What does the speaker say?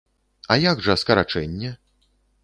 А як жа скарачэнне?